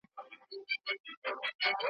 دسرونو په کاسوکي `